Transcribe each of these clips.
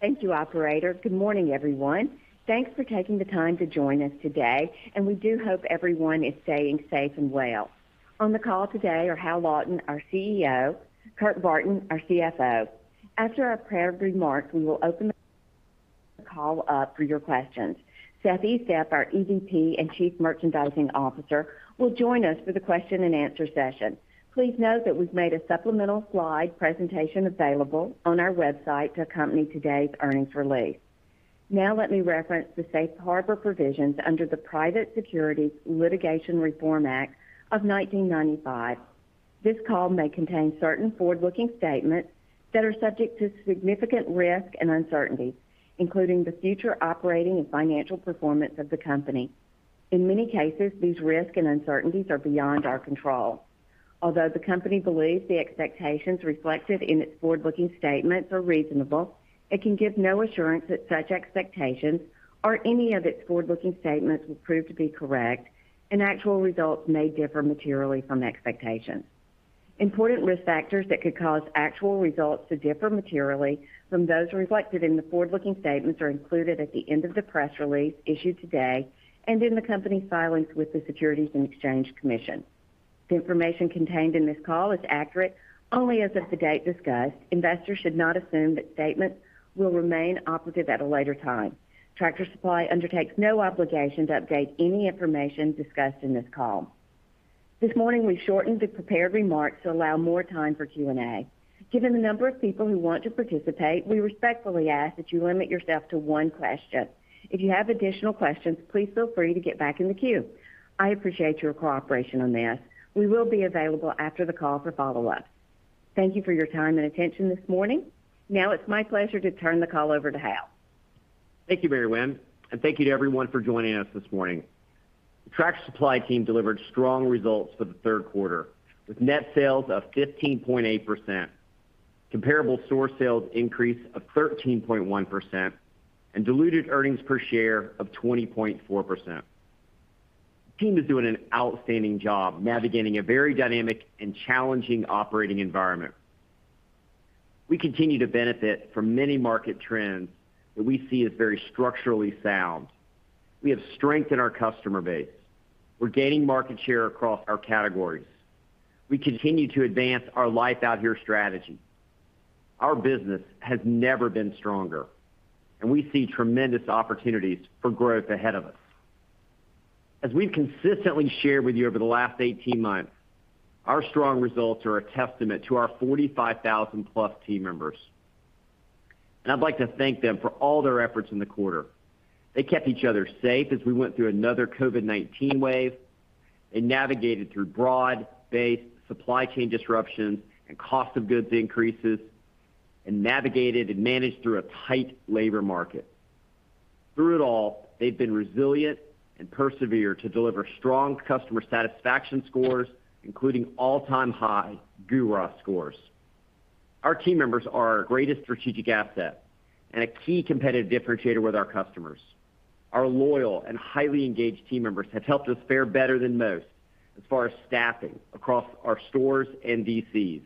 Thank you, operator. Good morning, everyone. Thanks for taking the time to join us today, and we do hope everyone is staying safe and well. On the call today are Hal Lawton, our CEO, Kurt Barton, our CFO. After our prepared remarks, we will open the call up for your questions. Seth Estep, our EVP and Chief Merchandising Officer, will join us for the question and answer session. Please note that we've made a supplemental slide presentation available on our website to accompany today's earnings release. Let me reference the safe harbor provisions under the Private Securities Litigation Reform Act of 1995. This call may contain certain forward-looking statements that are subject to significant risk and uncertainty, including the future operating and financial performance of the company. In many cases, these risks and uncertainties are beyond our control. Although the company believes the expectations reflected in its forward-looking statements are reasonable, it can give no assurance that such expectations or any of its forward-looking statements will prove to be correct, and actual results may differ materially from expectations. Important risk factors that could cause actual results to differ materially from those reflected in the forward-looking statements are included at the end of the press release issued today and in the company's filings with the Securities and Exchange Commission. The information contained in this call is accurate only as of the date discussed. Investors should not assume that statements will remain operative at a later time. Tractor Supply undertakes no obligation to update any information discussed in this call. This morning, we shortened the prepared remarks to allow more time for Q&A. Given the number of people who want to participate, we respectfully ask that you limit yourself to one question. If you have additional questions, please feel free to get back in the queue. I appreciate your cooperation on this. We will be available after the call for follow-up. Thank you for your time and attention this morning. Now it's my pleasure to turn the call over to Hal. Thank you, Mary Winn, and thank you to everyone for joining us this morning. The Tractor Supply team delivered strong results for the third quarter, with net sales of 15.8%, comparable store sales increase of 13.1%, and diluted earnings per share of 20.4%. The team is doing an outstanding job navigating a very dynamic and challenging operating environment. We continue to benefit from many market trends that we see as very structurally sound. We have strength in our customer base. We're gaining market share across our categories. We continue to advance our Life Out Here strategy. Our business has never been stronger, and we see tremendous opportunities for growth ahead of us. As we've consistently shared with you over the last 18 months, our strong results are a testament to our 45,000+ team members, and I'd like to thank them for all their efforts in the quarter. They kept each other safe as we went through another COVID-19 wave and navigated through broad-based supply chain disruptions and cost of goods increases and navigated and managed through a tight labor market. Through it all, they've been resilient and persevere to deliver strong customer satisfaction scores, including all-time high GURA scores. Our team members are our greatest strategic asset and a key competitive differentiator with our customers. Our loyal and highly engaged team members have helped us fare better than most as far as staffing across our stores and DCs.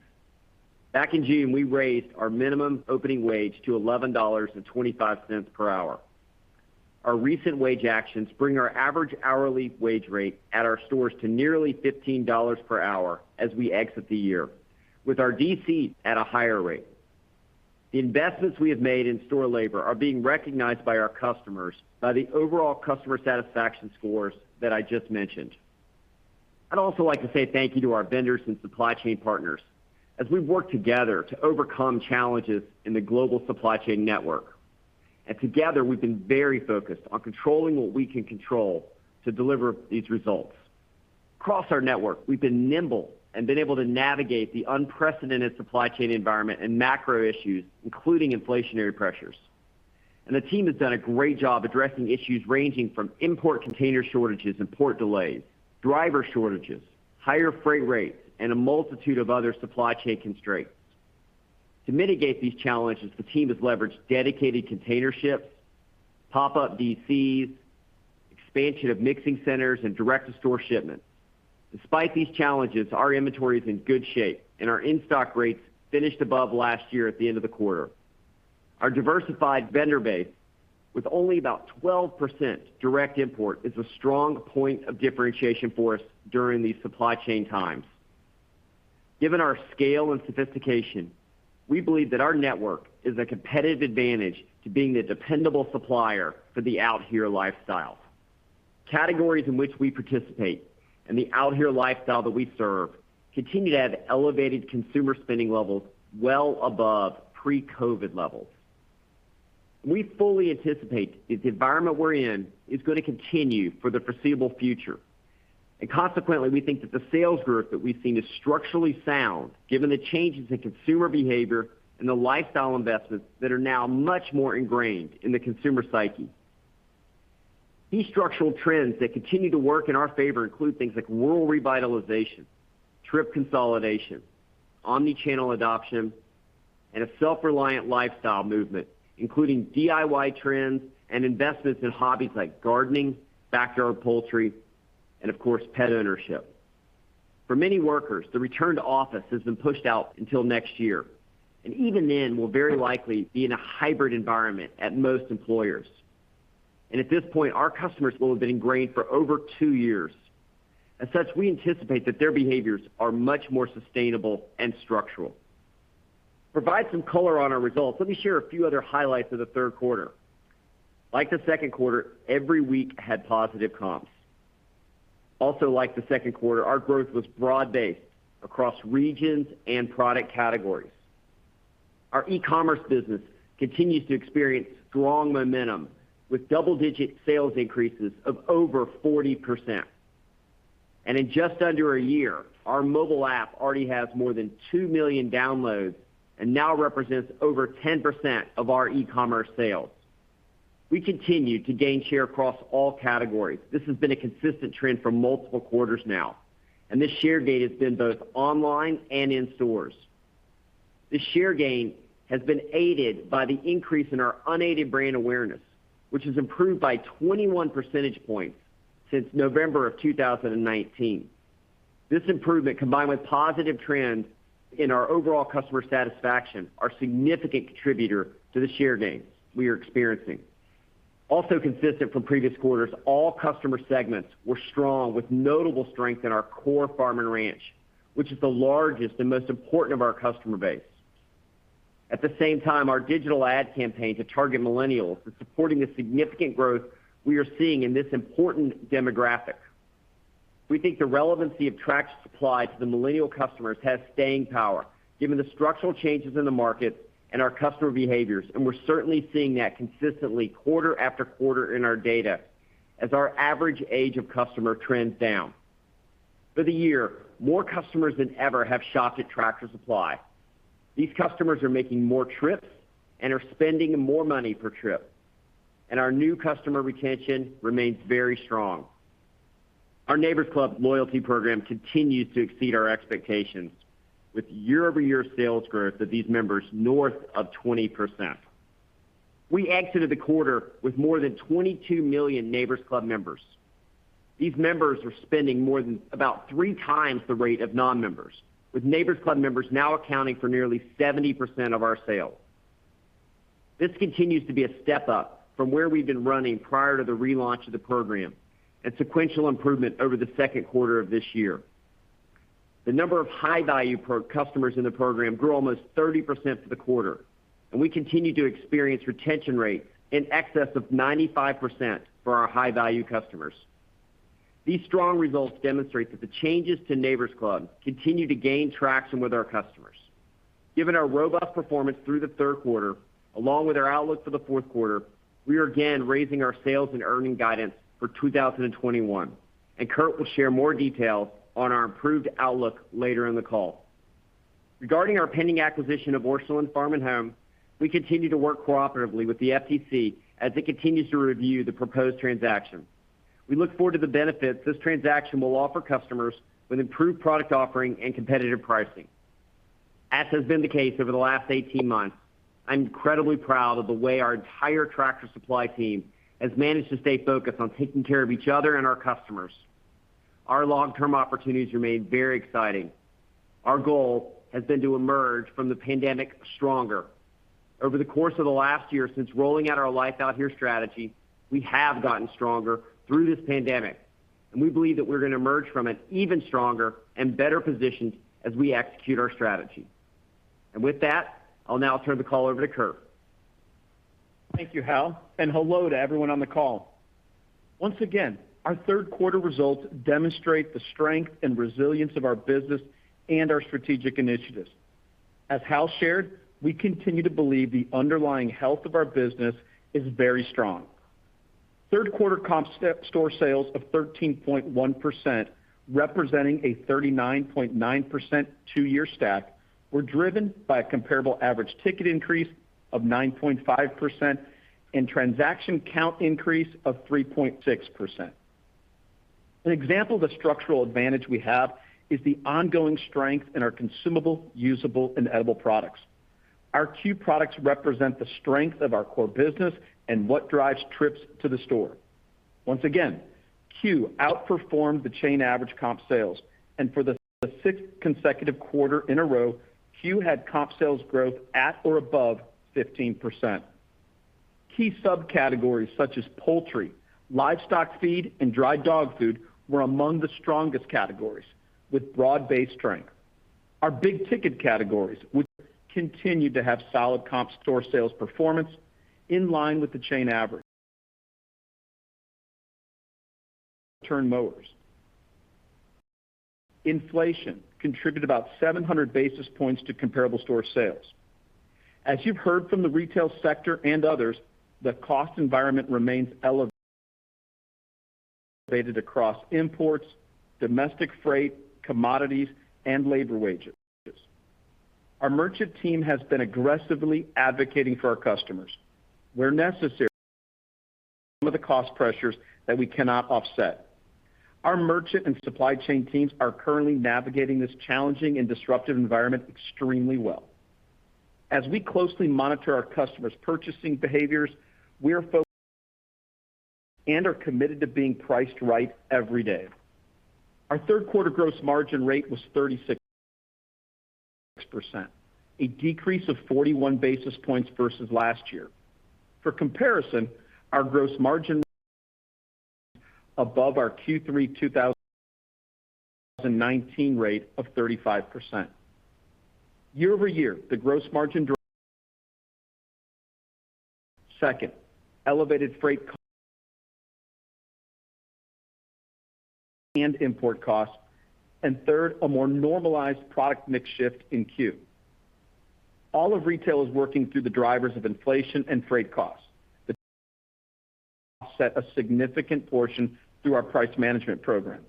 Back in June, we raised our minimum opening wage to $11.25 per hour. Our recent wage actions bring our average hourly wage rate at our stores to nearly $15 per hour as we exit the year, with our DC at a higher rate. The investments we have made in store labor are being recognized by our customers by the overall customer satisfaction scores that I just mentioned. I'd also like to say thank you to our vendors and supply chain partners as we've worked together to overcome challenges in the global supply chain network. Together, we've been very focused on controlling what we can control to deliver these results. Across our network, we've been nimble and been able to navigate the unprecedented supply chain environment and macro issues, including inflationary pressures. The team has done a great job addressing issues ranging from import container shortages and port delays, driver shortages, higher freight rates, and a multitude of other supply chain constraints. To mitigate these challenges, the team has leveraged dedicated container ships, pop-up DCs, expansion of mixing centers, and direct-to-store shipments. Despite these challenges, our inventory is in good shape, and our in-stock rates finished above last year at the end of the quarter. Our diversified vendor base, with only about 12% direct import, is a strong point of differentiation for us during these supply chain times. Given our scale and sophistication, we believe that our network is a competitive advantage to being the dependable supplier for the Out Here Lifestyle. Categories in which we participate and the Out Here Lifestyle that we serve continue to have elevated consumer spending levels well above pre-COVID levels. We fully anticipate that the environment we're in is going to continue for the foreseeable future, and consequently, we think that the sales growth that we've seen is structurally sound, given the changes in consumer behavior and the lifestyle investments that are now much more ingrained in the consumer psyche. These structural trends that continue to work in our favor include things like rural revitalization, trip consolidation, omni-channel adoption, and a self-reliant lifestyle movement, including DIY trends and investments in hobbies like gardening, backyard poultry, and of course, pet ownership. For many workers, the return to office has been pushed out until next year, and even then, we'll very likely be in a hybrid environment at most employers. At this point, our customers will have been ingrained for over two years. As such, we anticipate that their behaviors are much more sustainable and structural. To provide some color on our results, let me share a few other highlights of the third quarter. Like the second quarter, every week had positive comps. Also like the second quarter, our growth was broad-based across regions and product categories. Our e-commerce business continues to experience strong momentum with double-digit sales increases of over 40%. In just under a year, our mobile app already has more than 2 million downloads and now represents over 10% of our e-commerce sales. We continue to gain share across all categories. This has been a consistent trend for multiple quarters now, and this share gain has been both online and in stores. This share gain has been aided by the increase in our unaided brand awareness, which has improved by 21 percentage points since November of 2019. This improvement, combined with positive trends in our overall customer satisfaction, are significant contributor to the share gains we are experiencing. Also consistent from previous quarters, all customer segments were strong with notable strength in our core farm and ranch, which is the largest and most important of our customer base. At the same time, our digital ad campaign to target millennials is supporting the significant growth we are seeing in this important demographic. We think the relevancy of Tractor Supply to the millennial customers has staying power given the structural changes in the market and our customer behaviors, and we're certainly seeing that consistently quarter after quarter in our data as our average age of customer trends down. For the year, more customers than ever have shopped at Tractor Supply. These customers are making more trips and are spending more money per trip, and our new customer retention remains very strong. Our Neighbor's Club loyalty program continues to exceed our expectations with year-over-year sales growth of these members north of 20%. We exited the quarter with more than 22 million Neighbor's Club members. These members are spending more than about 3x the rate of non-members, with Neighbor's Club members now accounting for nearly 70% of our sales. This continues to be a step up from where we've been running prior to the relaunch of the program and sequential improvement over the second quarter of this year. The number of high-value customers in the program grew almost 30% for the quarter, and we continue to experience retention rate in excess of 95% for our high-value customers. These strong results demonstrate that the changes to Neighbor's Club continue to gain traction with our customers. Given our robust performance through the third quarter, along with our outlook for the fourth quarter, we are again raising our sales and earning guidance for 2021, and Kurt will share more details on our improved outlook later in the call. Regarding our pending acquisition of Orscheln Farm and Home, we continue to work cooperatively with the FTC as it continues to review the proposed transaction. We look forward to the benefits this transaction will offer customers with improved product offering and competitive pricing. As has been the case over the last 18 months, I'm incredibly proud of the way our entire Tractor Supply team has managed to stay focused on taking care of each other and our customers. Our long-term opportunities remain very exciting. Our goal has been to emerge from the pandemic stronger. Over the course of the last one year since rolling out our Life Out Here strategy, we have gotten stronger through this pandemic, and we believe that we're going to emerge from it even stronger and better positioned as we execute our strategy. With that, I'll now turn the call over to Kurt. Thank you, Hal, and hello to everyone on the call. Once again, our third quarter results demonstrate the strength and resilience of our business and our strategic initiatives. As Hal shared, we continue to believe the underlying health of our business is very strong. Third quarter comp store sales of 13.1%, representing a 39.9% two-year stack, were driven by a comparable average ticket increase of 9.5% and transaction count increase of 3.6%. An example of the structural advantage we have is the ongoing strength in our consumable, usable, and edible products. Our C.U.E. products represent the strength of our core business and what drives trips to the store. Once again, C.U.E. outperformed the chain average comp sales, and for the sixth consecutive quarter in a row, C.U.E. had comp sales growth at or above 15%. Key subcategories such as poultry, livestock feed, and dry dog food were among the strongest categories, with broad-based strength. Our big-ticket categories would continue to have solid comp store sales performance in line with the chain average. Turn mowers. Inflation contributed about 700 basis points to comparable store sales. As you've heard from the retail sector and others, the cost environment remains elevated across imports, domestic freight, commodities, and labor wages. Our merchant team has been aggressively advocating for our customers where necessary with the cost pressures that we cannot offset. Our merchant and supply chain teams are currently navigating this challenging and disruptive environment extremely well. As we closely monitor our customers' purchasing behaviors, And are committed to being priced right every day. Our third quarter gross margin rate was 36%, a decrease of 41 basis points versus last year. For comparison, our gross margin above our Q3 2019 rate of 35%. Year-over-year, the gross margins. Second, elevated freight costs and import costs, third, a more normalized product mix shift in Q. All of retail is working through the drivers of inflation and freight costs. Offset a significant portion through our price management program.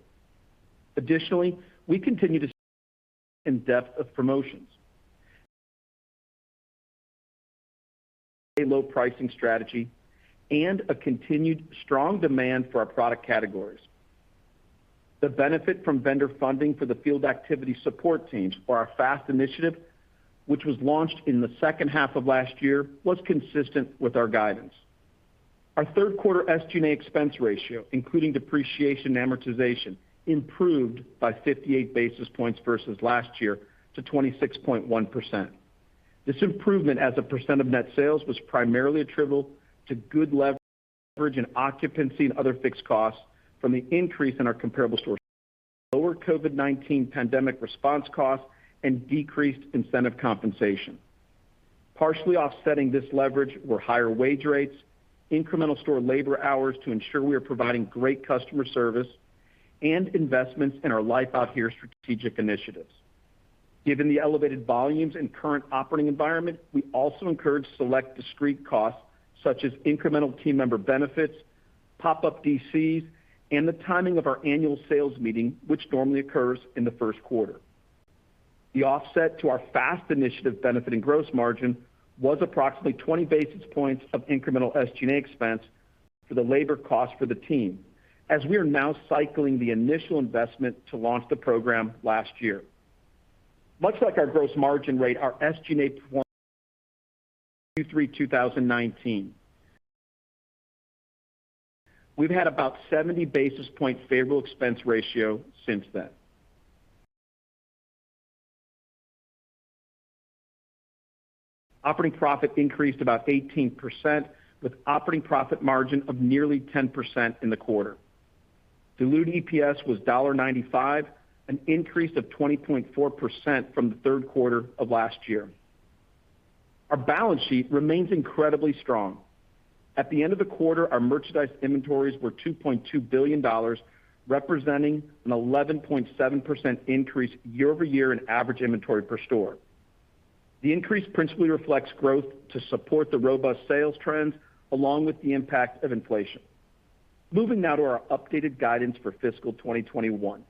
Additionally, we continue in depth of promotions. A low pricing strategy and a continued strong demand for our product categories. The benefit from vendor funding for the field activity support teams for our FAST initiative, which was launched in the second half of last year, was consistent with our guidance. Our third quarter SG&A expense ratio, including depreciation and amortization, improved by 58 basis points versus last year to 26.1%. This improvement as a percent of net sales was primarily attributable to good leverage in occupancy and other fixed costs from the increase in our comparable store-- lower COVID-19 pandemic response costs and decreased incentive compensation. Partially offsetting this leverage were higher wage rates, incremental store labor hours to ensure we are providing great customer service, and investments in our Life Out Here strategic initiatives. Given the elevated volumes and current operating environment, we also incurred select discrete costs such as incremental team member benefits, pop-up DCs, and the timing of our annual sales meeting, which normally occurs in the first quarter. The offset to our FAST initiative benefiting gross margin was approximately 20 basis points of incremental SG&A expense for the labor cost for the team, as we are now cycling the initial investment to launch the program last year. Much like our gross margin rate, our SG&A, Q3 2019. We've had about 70 basis points favorable expense ratio since then. Operating profit increased about 18%, with operating profit margin of nearly 10% in the quarter. Diluted EPS was $1.95, an increase of 20.4% from the third quarter of last year. Our balance sheet remains incredibly strong. At the end of the quarter, our merchandise inventories were $2.2 billion, representing an 11.7% increase year-over-year in average inventory per store. The increase principally reflects growth to support the robust sales trends along with the impact of inflation. Moving now to our updated guidance for fiscal 2021.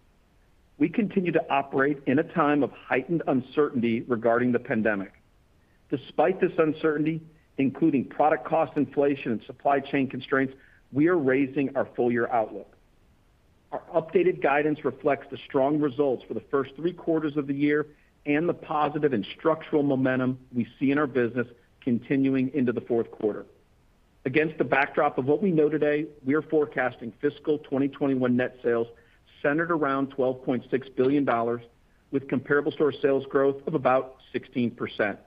We continue to operate in a time of heightened uncertainty regarding the pandemic. Despite this uncertainty, including product cost inflation and supply chain constraints, we are raising our full-year outlook. Our updated guidance reflects the strong results for the first three quarters of the year and the positive and structural momentum we see in our business continuing into the fourth quarter. Against the backdrop of what we know today, we are forecasting fiscal 2021 net sales centered around $12.6 billion with comparable store sales growth of about 16%.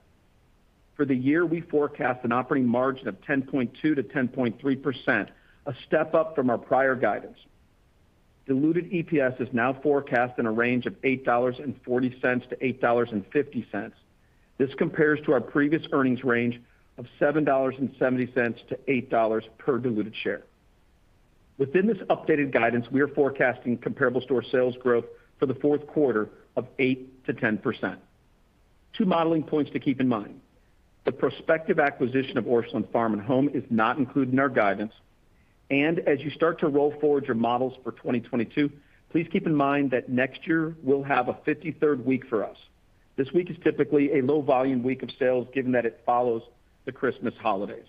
For the year, we forecast an operating margin of 10.2%-10.3%, a step up from our prior guidance. Diluted EPS is now forecast in a range of $8.40-$8.50. This compares to our previous earnings range of $7.70-$8 per diluted share. Within this updated guidance, we are forecasting comparable store sales growth for the fourth quarter of 8%-10%. Two modeling points to keep in mind. The prospective acquisition of Orscheln Farm and Home is not included in our guidance. As you start to roll forward your models for 2022, please keep in mind that next year will have a 53rd week for us. This week is typically a low-volume week of sales, given that it follows the Christmas holidays.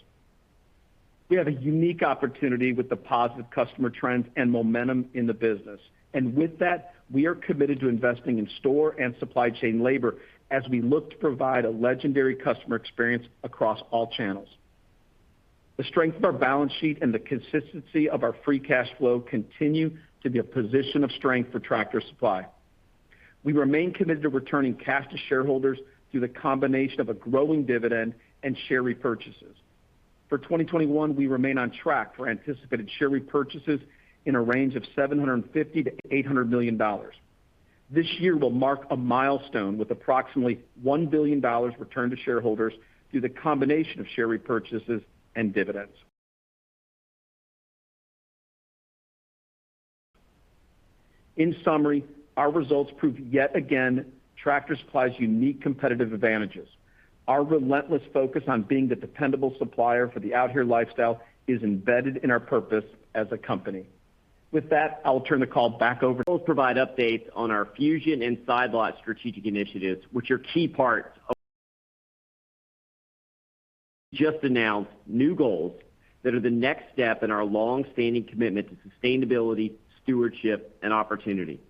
We have a unique opportunity with the positive customer trends and momentum in the business. With that, we are committed to investing in store and supply chain labor as we look to provide a legendary customer experience across all channels. The strength of our balance sheet and the consistency of our free cash flow continue to be a position of strength for Tractor Supply. We remain committed to returning cash to shareholders through the combination of a growing dividend and share repurchases. For 2021, we remain on track for anticipated share repurchases in a range of $750 million-$800 million. This year will mark a milestone with approximately $1 billion returned to shareholders through the combination of share repurchases and dividends. In summary, our results prove yet again Tractor Supply's unique competitive advantages. Our relentless focus on being the dependable supplier for the Life Out Here is embedded in our purpose as a company. With that, I'll turn the call back to- I'll provide updates on our Project Fusion and Side Lot strategic initiatives, and just announced new goals that are the next step in our long-standing commitment to sustainability, stewardship, and opportunity.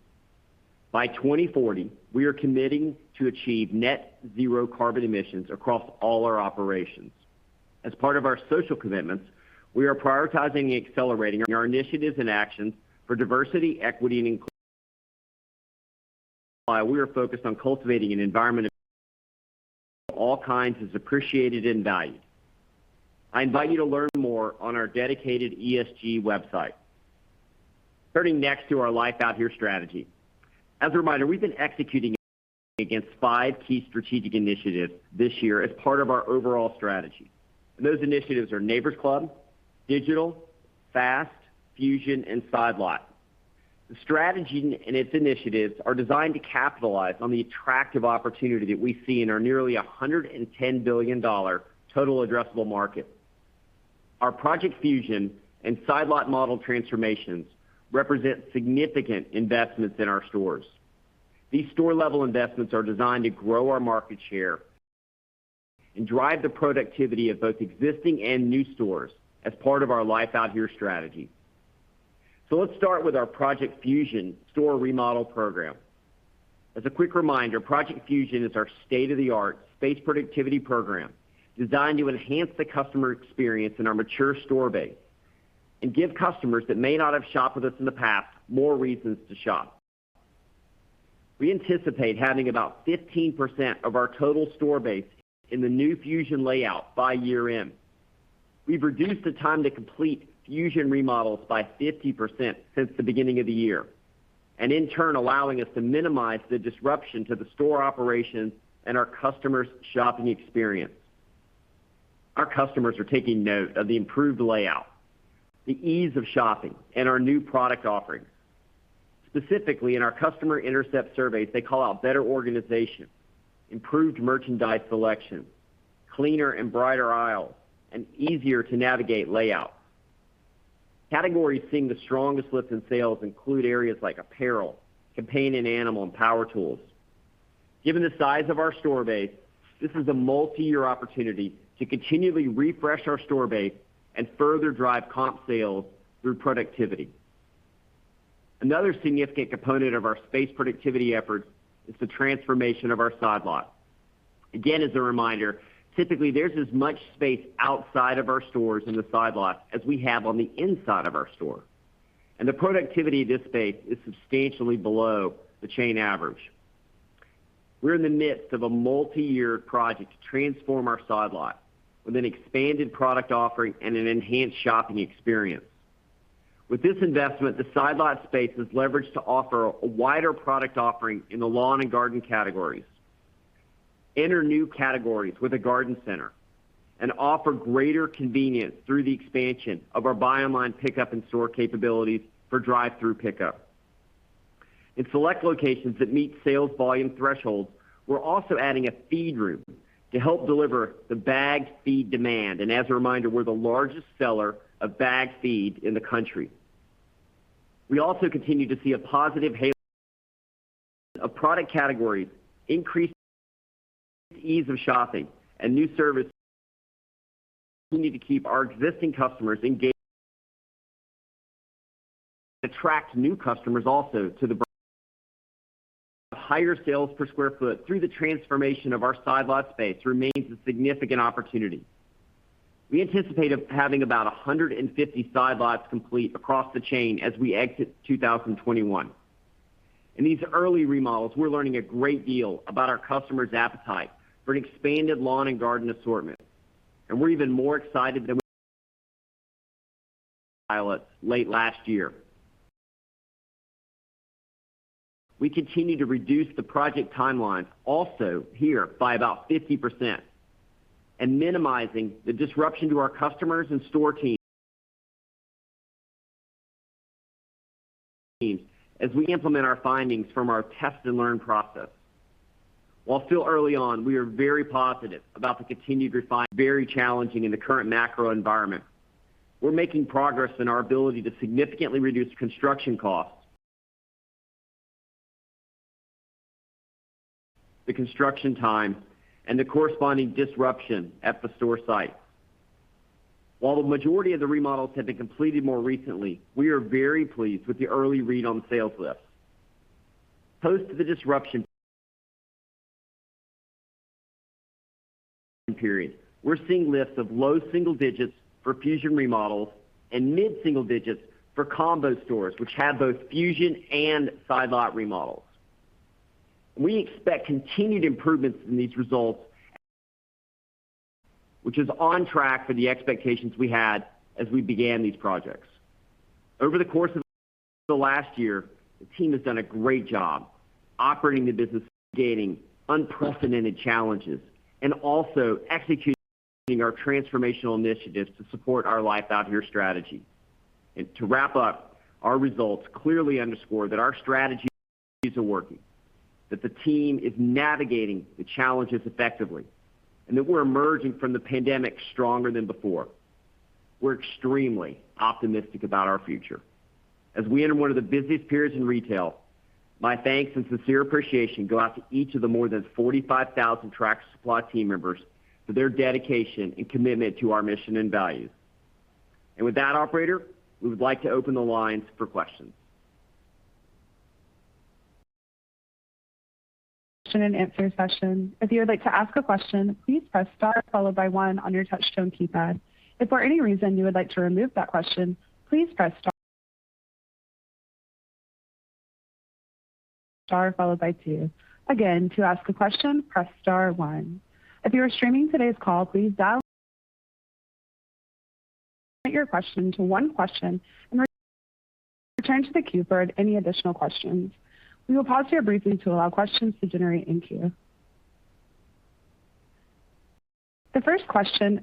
By 2040, we are committing to achieve net zero carbon emissions across all our operations. As part of our social commitments, we are prioritizing and accelerating our initiatives and actions for diversity, equity, and inclusion. While we are focused on cultivating an environment of all kinds is appreciated and valued. I invite you to learn more on our dedicated ESG website. Turning next to our Life Out Here strategy. As a reminder, we've been executing against five key strategic initiatives this year as part of our overall strategy. Those initiatives are Neighbor's Club, Digital, FAST, Fusion and Side Lot. The strategy and its initiatives are designed to capitalize on the attractive opportunity that we see in our nearly $110 billion total addressable market. Our Project Fusion and Side Lot model transformations represent significant investments in our stores. These store-level investments are designed to grow our market share and drive the productivity of both existing and new stores as part of our Life Out Here strategy. Let's start with our Project Fusion store remodel program. As a quick reminder, Project Fusion is our state-of-the-art space productivity program designed to enhance the customer experience in our mature store base and give customers that may not have shopped with us in the past more reasons to shop. We anticipate having about 15% of our total store base in the new Fusion layout by year-end. We've reduced the time to complete Fusion remodels by 50% since the beginning of the year, and in turn allowing us to minimize the disruption to the store operations and our customers' shopping experience. Our customers are taking note of the improved layout, the ease of shopping, and our new product offerings. Specifically, in our customer intercept surveys, they call out better organization, improved merchandise selection, cleaner and brighter aisles, and easier-to-navigate layouts. Categories seeing the strongest lift in sales include areas like apparel, companion animal, and power tools. Given the size of our store base, this is a multi-year opportunity to continually refresh our store base and further drive comp sales through productivity. Another significant component of our space productivity efforts is the transformation of our Side Lot. Again, as a reminder, typically there's as much space outside of our stores in the Side Lot as we have on the inside of our store. The productivity of this space is substantially below the chain average. We're in the midst of a multi-year project to transform our Side Lot with an expanded product offering and an enhanced shopping experience. With this investment, the Side Lot space is leveraged to offer a wider product offering in the lawn and garden categories, enter new categories with a garden center, and offer greater convenience through the expansion of our Buy Online Pickup in Store capabilities for drive-through pickup. In select locations that meet sales volume thresholds, we're also adding a feed room to help deliver the bagged feed demand. As a reminder, we're the largest seller of bagged feed in the country. We also continue to see a positive halo of product categories increase ease of shopping and new service. We need to keep our existing customers engaged, attract new customers also to the higher sales per square foot through the transformation of our Side Lot space remains a significant opportunity. We anticipate having about 150 Side Lots complete across the chain as we exit 2021. In these early remodels, we're learning a great deal about our customers' appetite for an expanded lawn and garden assortment. We're even more excited than pilots late last year. We continue to reduce the project timeline also here by about 50% and minimizing the disruption to our customers and store teams as we implement our findings from our test-and-learn process. While still early on, we are very positive about the continued very challenging in the current macro environment. We're making progress in our ability to significantly reduce construction costs, the construction time, and the corresponding disruption at the store site. While the majority of the remodels have been completed more recently, we are very pleased with the early read on sales lifts. Post the disruption period, we're seeing lifts of low single digits for Fusion remodels and mid-single digits for combo stores, which have both Fusion and Side Lot remodels. We expect continued improvements in these results, which is on track for the expectations we had as we began these projects. Over the course of the last year, the team has done a great job operating the business, gaining unprecedented challenges, and also executing our transformational initiatives to support our Life Out Here strategy. To wrap up, our results clearly underscore that our strategies are working, that the team is navigating the challenges effectively, and that we're emerging from the pandemic stronger than before. We're extremely optimistic about our future. As we enter one of the busiest periods in retail, my thanks and sincere appreciation go out to each of the more than 45,000 Tractor Supply team members for their dedication and commitment to our mission and values. With that operator, we would like to open the lines for questions. The first question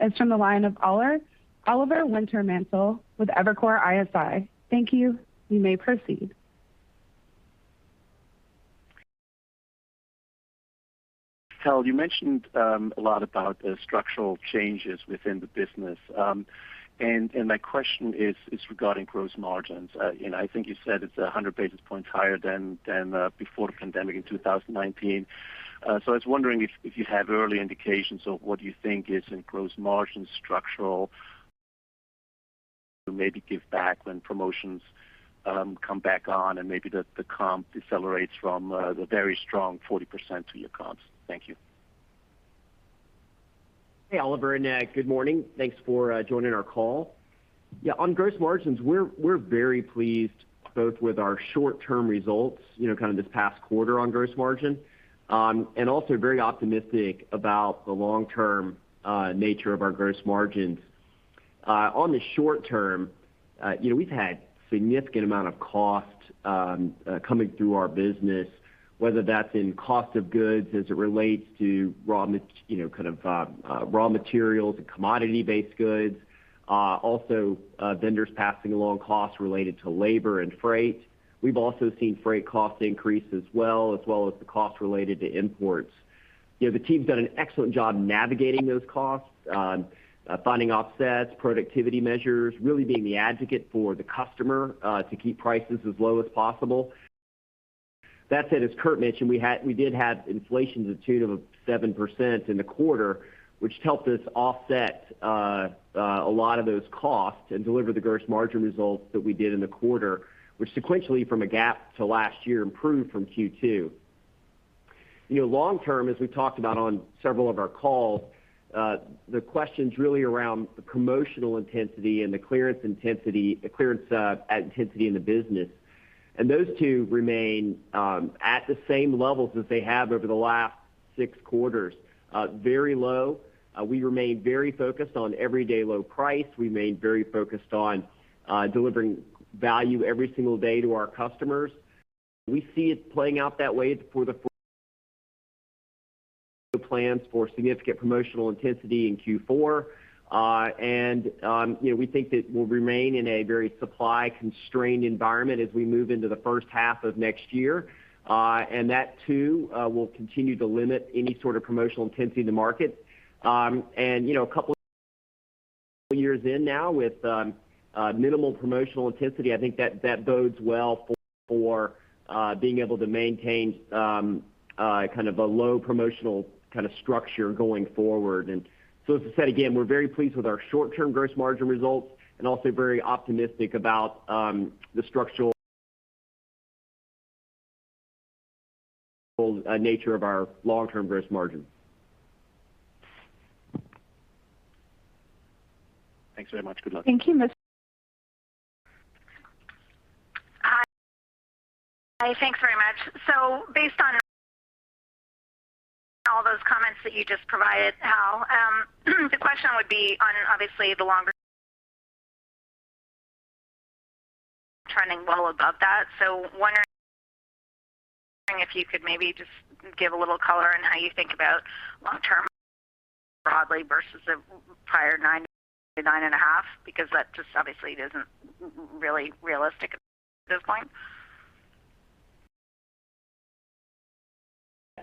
is from the line of Oliver Wintermantel with Evercore ISI. Thank you. You may proceed. Hal, you mentioned a lot about the structural changes within the business. My question is regarding gross margins. I think you said it's 100 basis points higher than before the pandemic in 2019. I was wondering if you have early indications of what you think is in gross margin structural, maybe give back when promotions come back on and maybe the comp decelerates from the very strong 40% to your comps? Thank you. Hey, Oliver, good morning. Thanks for joining our call. Yeah, on gross margins, we're very pleased both with our short-term results, kind of this past quarter on gross margin. Also very optimistic about the long-term nature of our gross margins. On the short-term, we've had significant amount of cost coming through our business, whether that's in cost of goods as it relates to raw materials and commodity-based goods. Also vendors passing along costs related to labor and freight. We've also seen freight costs increase as well, as well as the cost related to imports. The team's done an excellent job navigating those costs, finding offsets, productivity measures, really being the advocate for the customer, to keep prices as low as possible. That said, as Kurt mentioned, we did have inflations of 2%-7% in the quarter, which helped us offset a lot of those costs and deliver the gross margin results that we did in the quarter, which sequentially from a GAAP to last year improved from Q2. Long term, as we've talked about on several of our calls, the question's really around the promotional intensity and the clearance intensity in the business. Those two remain at the same levels as they have over the last six quarters. Very low. We remain very focused on everyday low price. We remain very focused on delivering value every single day to our customers. We see it playing out that way for the plans for significant promotional intensity in Q4. We think that we'll remain in a very supply constrained environment as we move into the first half of next year. That too will continue to limit any sort of promotional intensity in the market. A couple of years in now with minimal promotional intensity, I think that bodes well for being able to maintain kind of a low promotional kind of structure going forward. As I said, again, we're very pleased with our short term gross margin results and also very optimistic about the structural nature of our long term gross margin. Thanks very much. Good luck. Thank you. Hi. Thanks very much. Based on all those comments that you just provided, Hal, the question would be on obviously the longer trending well above that, wondering if you could maybe just give a little color on how you think about long term broadly versus the prior 9.5%, because that just obviously isn't really realistic at this point.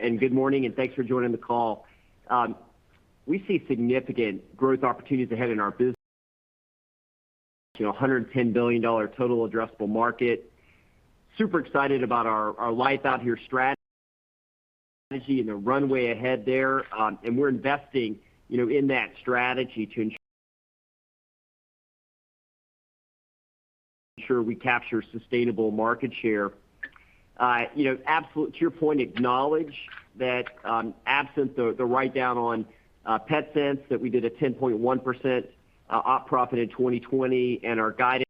Good morning, and thanks for joining the call. We see significant growth opportunities ahead in our business. $110 billion total addressable market. Super excited about our Life Out Here strategy and the runway ahead there. We're investing in that strategy to ensure we capture sustainable market share. To your point, acknowledge that absent the write-down on Petsense, that we did a 10.1% op profit in 2020 and our guidance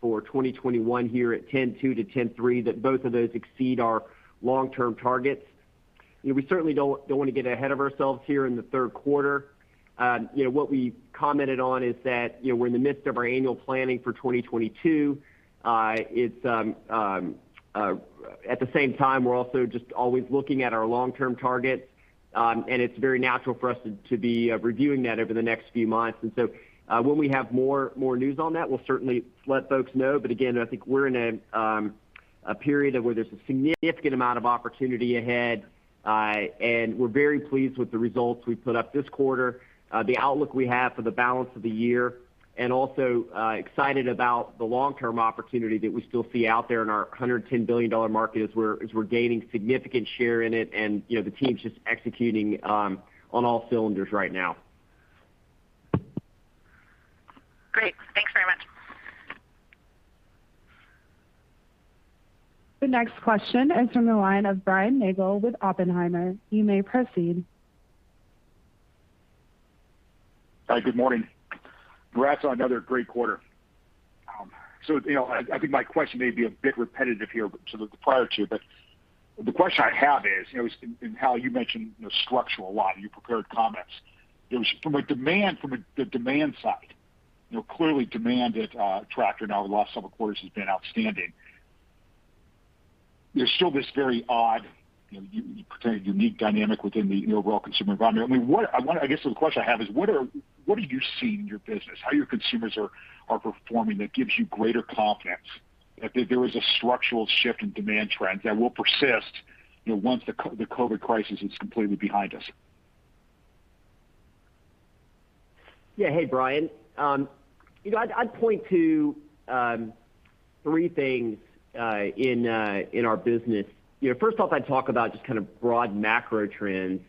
for 2021 here at 10.2%-10.3%, that both of those exceed our long term targets. We certainly don't want to get ahead of ourselves here in the third quarter. What we commented on is that we're in the midst of our annual planning for 2022. At the same time, we're also just always looking at our long term targets. It's very natural for us to be reviewing that over the next few months. When we have more news on that, we'll certainly let folks know. Again, I think we're in a period where there's a significant amount of opportunity ahead. We're very pleased with the results we put up this quarter, the outlook we have for the balance of the year, and also excited about the long term opportunity that we still see out there in our $110 billion market as we're gaining significant share in it. The team's just executing on all cylinders right now. The next question is from the line of Brian Nagel with Oppenheimer. You may proceed. Hi, good morning. Congrats on another great quarter. I think my question may be a bit repetitive here to the prior two. The question I have is, Hal, you mentioned structural a lot in your prepared comments. From the demand side, clearly demand at Tractor now the last several quarters has been outstanding. There's still this very odd, unique dynamic within the rural consumer environment. I guess the question I have is, what are you seeing in your business, how your consumers are performing that gives you greater confidence that there is a structural shift in demand trends that will persist once the COVID crisis is completely behind us? Yeah. Hey, Brian. I'd point to three things in our business. First off, I'd talk about just kind of broad macro trends.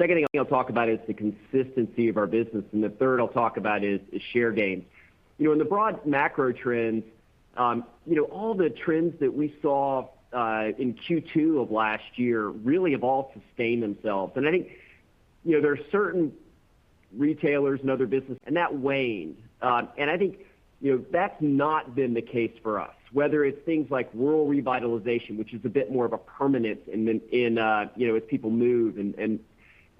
Second thing I'll talk about is the consistency of our business, and the third I'll talk about is share gains. In the broad macro trends, all the trends that we saw in Q2 of last year really have all sustained themselves. I think there are certain retailers and other businesses that waned. I think that's not been the case for us, whether it's things like rural revitalization, which is a bit more of a permanent,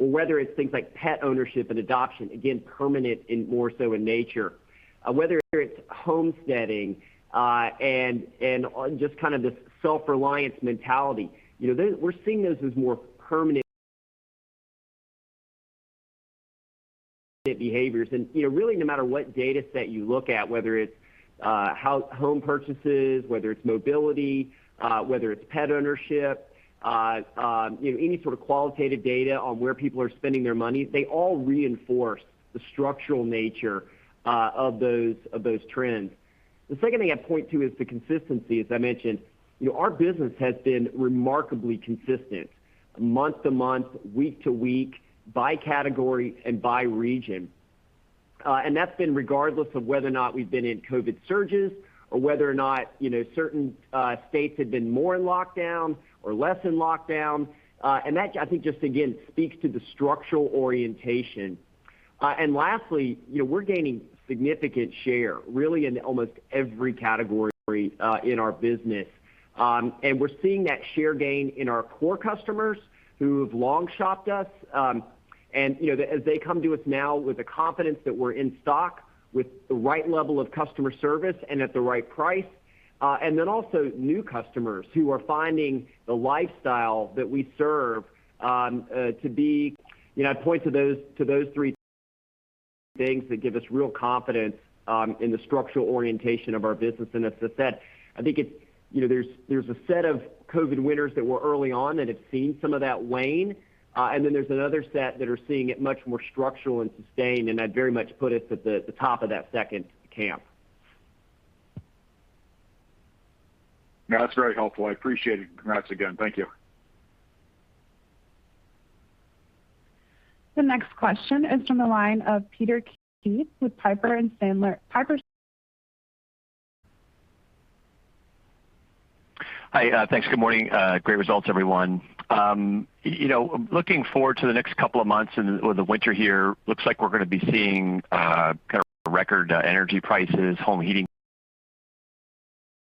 or whether it's things like pet ownership and adoption, again, permanent in more so in nature. Whether it's homesteading, just this self-reliance mentality. We're seeing those as more permanent behaviors. Really no matter what data set you look at, whether it's home purchases, whether it's mobility, whether it's pet ownership, any sort of qualitative data on where people are spending their money, they all reinforce the structural nature of those trends. The second thing I'd point to is the consistency, as I mentioned. Our business has been remarkably consistent month to month, week to week, by category and by region. That's been regardless of whether or not we've been in COVID surges or whether or not certain states have been more in lockdown or less in lockdown. That, I think just again, speaks to the structural orientation. Lastly, we're gaining significant share, really in almost every category in our business. We're seeing that share gain in our core customers who have long shopped us. As they come to us now with the confidence that we're in stock with the right level of customer service and at the right price. Also new customers who are finding the lifestyle that we serve to be I'd point to those three things that give us real confidence in the structural orientation of our business. As I said, I think there's a set of COVID winners that were early on that have seen some of that wane. There's another set that are seeing it much more structural and sustained, and I'd very much put us at the top of that second camp. Yeah, that's very helpful. I appreciate it. Congrats again. Thank you. The next question is from the line of Peter Keith with Piper Sandler. Piper. Hi, thanks. Good morning. Great results, everyone. Looking forward to the next couple of months and with the winter here, looks like we're gonna be seeing kind of record energy prices, home heating.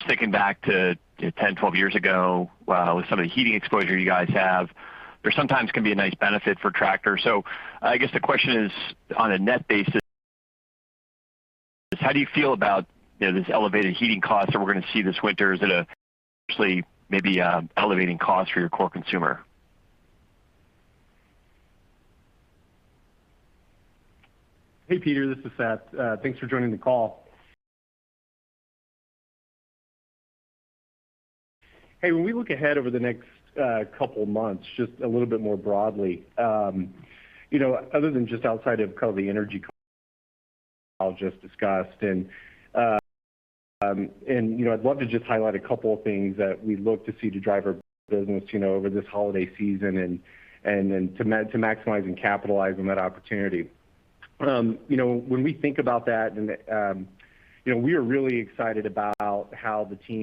Thinking back to 10, 12 years ago, with some of the heating exposure you guys have, there sometimes can be a nice benefit for Tractor. I guess the question is, on a net basis, how do you feel about this elevated heating cost that we're gonna see this winter? Is it actually maybe elevating costs for your core consumer? Hey, Peter. This is Seth. Thanks for joining the call. When we look ahead over the next couple months, just a little bit more broadly, other than just outside of kind of the energy Hal just discussed, I'd love to just highlight a couple things that we look to see to drive our business over this holiday season and then to maximize and capitalize on that opportunity. When we think about that, we are really excited about how the team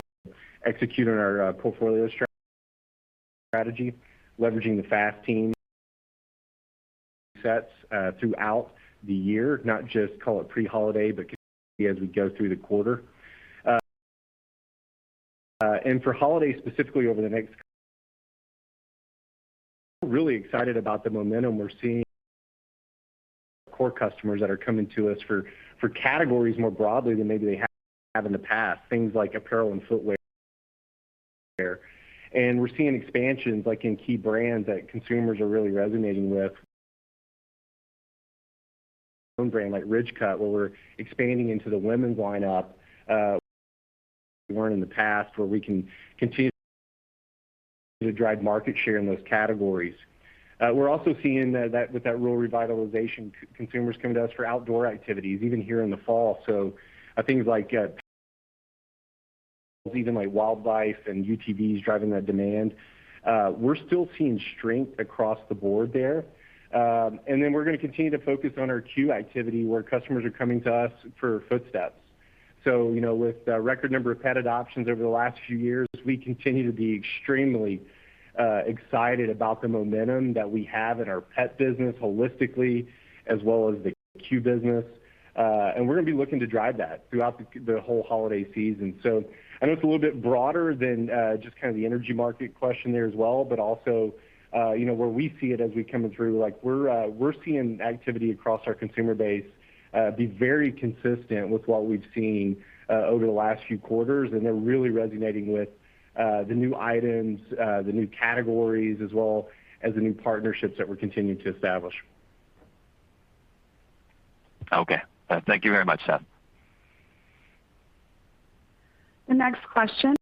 executed our portfolio strategy, leveraging the FAST team sets throughout the year, not just call it pre-holiday, but continuously as we go through the quarter. For holiday, specifically, we are really excited about the momentum we're seeing core customers that are coming to us for categories more broadly than maybe they have in the past, things like apparel and footwear. We're seeing expansions like in key brands that consumers are really resonating with. Own brand like Ridgecut, where we're expanding into the women's lineup. Weren't in the past where we can continue to drive market share in those categories. We're also seeing that with that rural revitalization, consumers coming to us for outdoor activities even here in the fall. Things like Even like wildlife and UTVs driving that demand. We're still seeing strength across the board there. Then we're going to continue to focus on our C.U.E. activity, where customers are coming to us for footsteps. With the record number of pet adoptions over the last few years, we continue to be extremely excited about the momentum that we have in our pet business holistically, as well as the C.U.E. business. We're going to be looking to drive that throughout the whole holiday season. I know it's a little bit broader than just the energy market question there as well, but also, where we see it as we're coming through, we're seeing activity across our consumer base be very consistent with what we've seen over the last few quarters. They're really resonating with the new items, the new categories as well as the new partnerships that we're continuing to establish. Okay. Thank you very much, Seth. The next question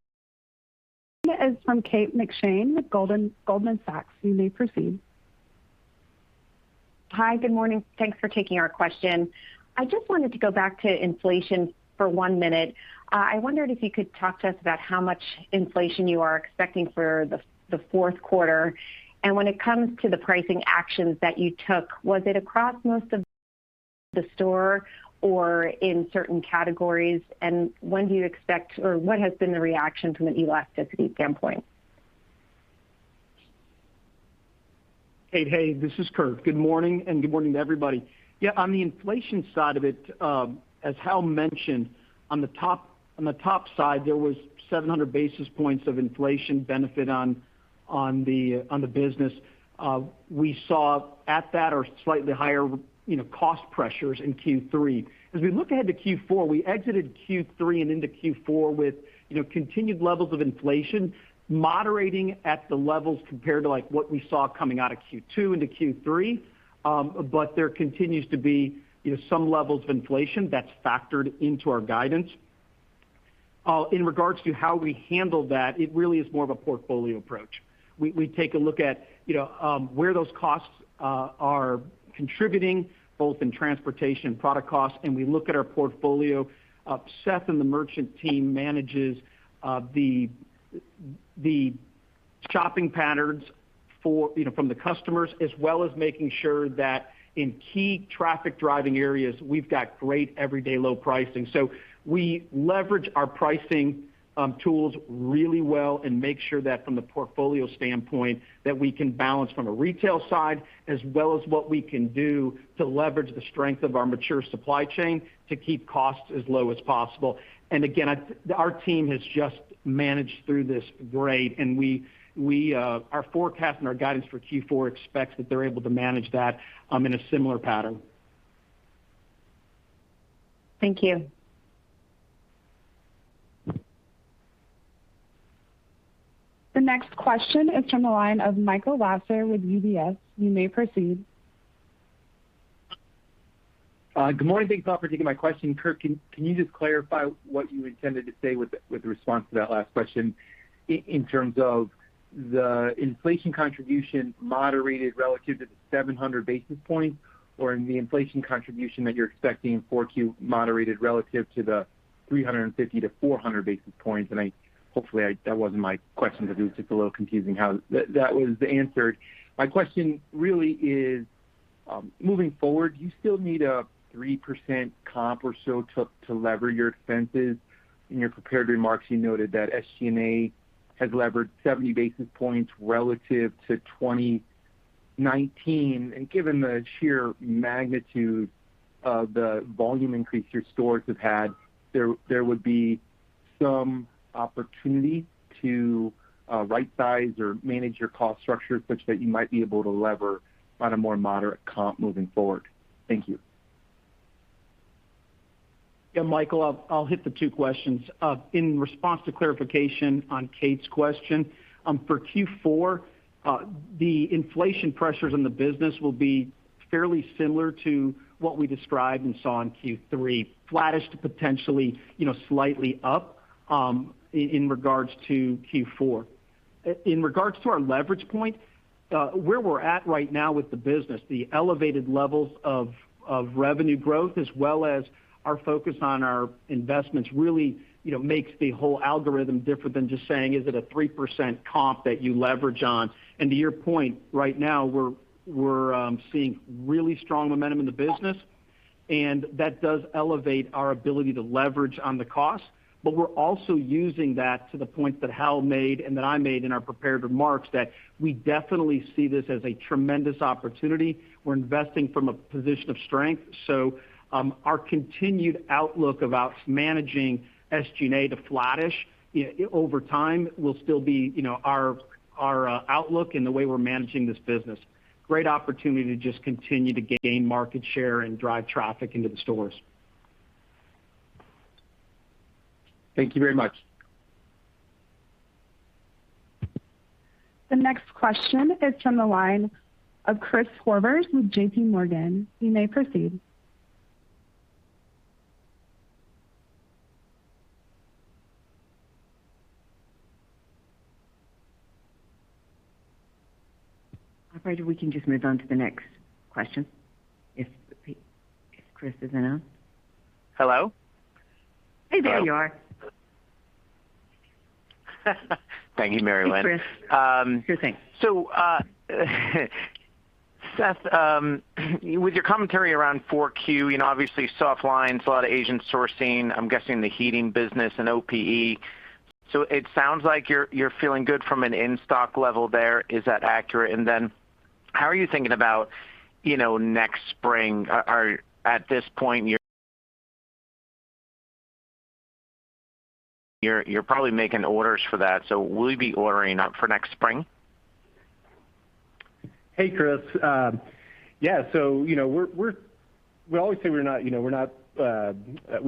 is from Kate McShane with Goldman Sachs. You may proceed. Hi, good morning. Thanks for taking our question. I just wanted to go back to inflation for one minute. I wondered if you could talk to us about how much inflation you are expecting for the fourth quarter. When it comes to the pricing actions that you took, was it across most of the store or in certain categories? When do you expect, or what has been the reaction from an elasticity standpoint? Kate, hey, this is Kurt. Good morning, and good morning to everybody. On the inflation side of it, as Hal mentioned, on the top side, there was 700 basis points of inflation benefit on the business. We saw at that or slightly higher cost pressures in Q3. As we look ahead to Q4, we exited Q3 and into Q4 with continued levels of inflation, moderating at the levels compared to what we saw coming out of Q2 into Q3. There continues to be some levels of inflation that's factored into our guidance. In regards to how we handle that, it really is more of a portfolio approach. We take a look at where those costs are contributing, both in transportation and product costs, and we look at our portfolio. Seth and the merchant team manages the shopping patterns from the customers, as well as making sure that in key traffic driving areas, we've got great everyday low pricing. We leverage our pricing tools really well and make sure that from the portfolio standpoint, that we can balance from a retail side, as well as what we can do to leverage the strength of our mature supply chain to keep costs as low as possible. Again, our team has just managed through this great. Our forecast and our guidance for Q4 expects that they're able to manage that in a similar pattern. Thank you. The next question is from the line of Michael Lasser with UBS. You may proceed. Good morning. Thanks a lot for taking my question. Kurt, can you just clarify what you intended to say with the response to that last question in terms of the inflation contribution moderated relative to the 700 basis points, or in the inflation contribution that you're expecting in 4Q moderated relative to the 350 basis points-400 basis points? Hopefully that wasn't my question because it was just a little confusing how that was answered. My question really is, moving forward, do you still need a 3% comp or so to lever your expenses? In your prepared remarks, you noted that SG&A has levered 70 basis points relative to 2019, and given the sheer magnitude of the volume increase your stores have had, there would be some opportunity to rightsize or manage your cost structure such that you might be able to lever on a more moderate comp moving forward. Thank you. Yeah, Michael, I'll hit the two questions. In response to clarification on Kate's question. For Q4, the inflation pressures in the business will be fairly similar to what we described and saw in Q3. Flattish to potentially slightly up, in regards to Q4. To your point, right now we're seeing really strong momentum in the business, and that does elevate our ability to leverage on the cost. We're also using that to the point that Hal made and that I made in our prepared remarks, that we definitely see this as a tremendous opportunity. We're investing from a position of strength. Our continued outlook about managing SG&A to flattish over time will still be our outlook and the way we're managing this business. Great opportunity to just continue to gain market share and drive traffic into the stores. Thank you very much. The next question is from the line of Chris Horvers with JPMorgan. You may proceed. Operator, we can just move on to the next question if Chris isn't on. Hello? Hey, there you are. Thank you, Mary Winn. Hey, Chris. Sure thing. Seth, with your commentary around 4Q, obviously soft lines, a lot of Asian sourcing, I'm guessing the heating business and OPE. It sounds like you're feeling good from an in-stock level there. Is that accurate? How are you thinking about next spring? At this point, you're probably making orders for that. Will you be ordering up for next spring? Hey, Chris. Yeah. We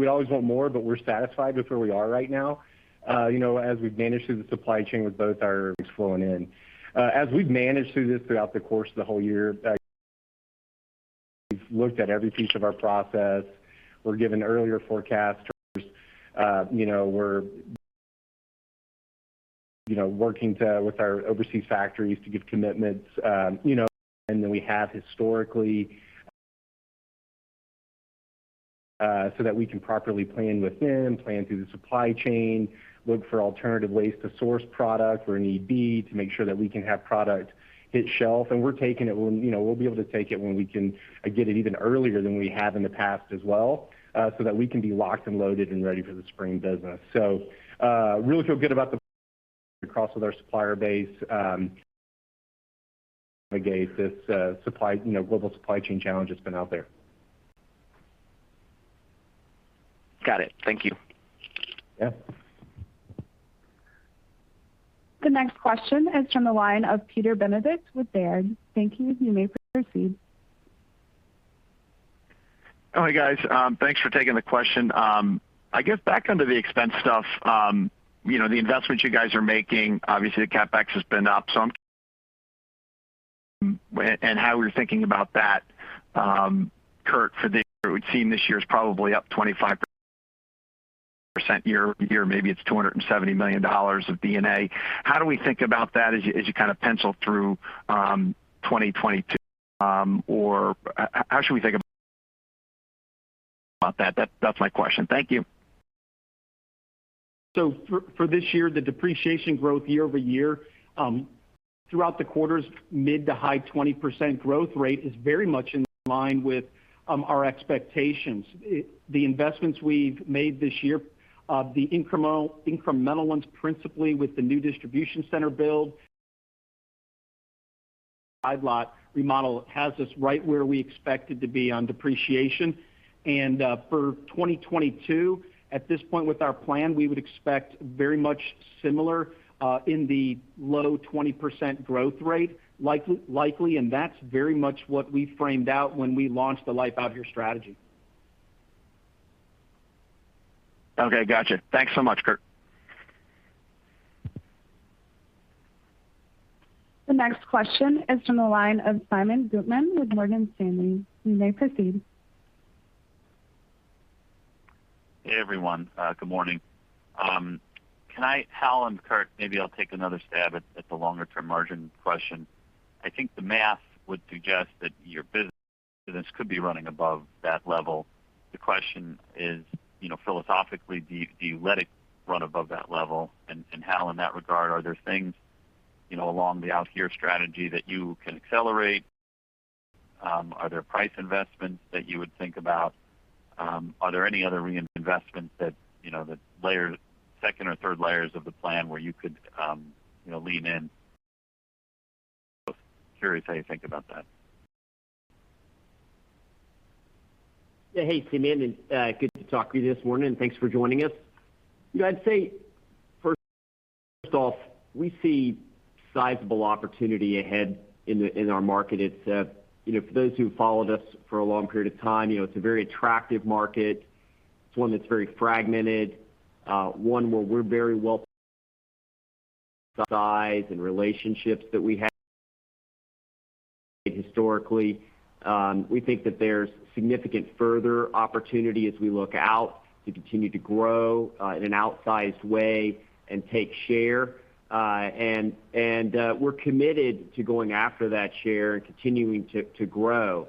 always want more, but we're satisfied with where we are right now. As we've managed through the supply chain. As we've managed through this throughout the course of the whole year, we've looked at every piece of our process. We're giving earlier forecasts. We're working with our overseas factories to give commitments than we have historically, so that we can properly plan with them, plan through the supply chain, look for alternative ways to source product where need be to make sure that we can have product hit shelf. We'll be able to take it when we can get it even earlier than we have in the past as well, so that we can be locked and loaded and ready for the spring business. Really feel good about the across with our supplier base, this global supply chain challenge that's been out there. Got it. Thank you. Yeah. The next question is from the line of Peter Benedict with Baird. Thank you. You may proceed. Hi, guys. Thanks for taking the question. I guess back onto the expense stuff. The investments you guys are making, obviously the CapEx has been up some, and how we were thinking about that. Kurt, it would seem this year is probably up 25% year-over-year. Maybe it's $270 million of D&A. How do we think about that as you kind of pencil through 2022? How should we think about that? That's my question. Thank you. For this year, the depreciation growth year-over-year, throughout the quarters, mid to high 20% growth rate is very much in line with our expectations. The investments we've made this year, the incremental ones, principally with the new distribution center build. Side Lot remodel has us right where we expected to be on depreciation. For 2022, at this point with our plan, we would expect very much similar, in the low 20% growth rate, likely. That's very much what we framed out when we launched the Life Out Here strategy. Okay, got you. Thanks so much, Kurt. The next question is from the line of Simeon Gutman with Morgan Stanley. You may proceed. Hey, everyone. Good morning. Hal and Kurt, maybe I'll take another stab at the longer-term margin question. I think the math would suggest that your business could be running above that level. The question is, philosophically, do you let it run above that level? Hal, in that regard, are there things along the Out Here strategy that you can accelerate? Are there price investments that you would think about? Are there any other reinvestments that second or third layers of the plan where you could lean in? Curious how you think about that. Hey, Simeon. Good to talk with you this morning and thanks for joining us. I'd say first off, we see sizable opportunity ahead in our market. For those who've followed us for a long period of time, it's a very attractive market. It's one that's very fragmented. One where we're very well sized and relationships that we have historically. We think that there's significant further opportunity as we look out to continue to grow in an outsized way and take share. We're committed to going after that share and continuing to grow.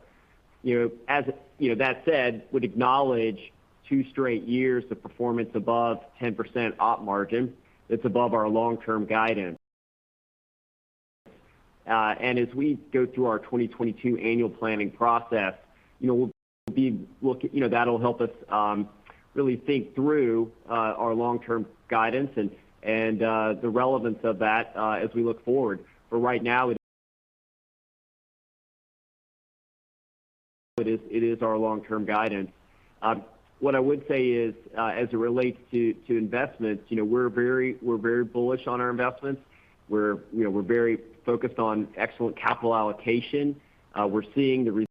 That said, would acknowledge two straight years of performance above 10% op margin. That's above our long-term guidance. As we go through our 2022 annual planning process, that'll help us really think through our long-term guidance and the relevance of that as we look forward. For right now, it is our long-term guidance. What I would say is, as it relates to investments, we're very bullish on our investments. We're very focused on excellent capital allocation. We're seeing the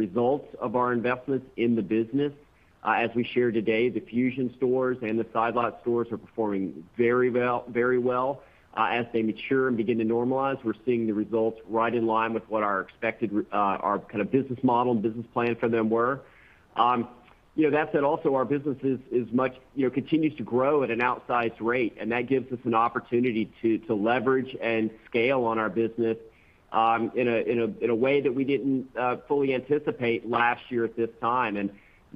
results of our investments in the business. As we shared today, the Fusion stores and the Side Lot stores are performing very well. As they mature and begin to normalize, we're seeing the results right in line with what our expected business model and business plan for them were. That said, also our business continues to grow at an outsized rate, that gives us an opportunity to leverage and scale on our business in a way that we didn't fully anticipate last year at this time.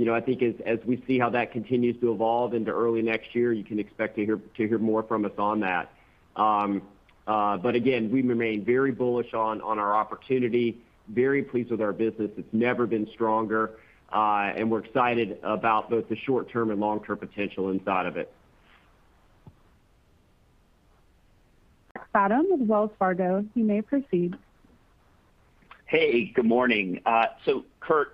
I think as we see how that continues to evolve into early next year, you can expect to hear more from us on that. Again, we remain very bullish on our opportunity, very pleased with our business. It's never been stronger. We're excited about both the short-term and long-term potential inside of it. Zachary Fadem with Wells Fargo, you may proceed. Good morning. Kurt,